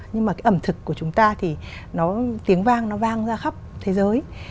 nhưng mà cái ẩm thực của chúng ta thì nó tiếng vang nó vang ra khắp thế giới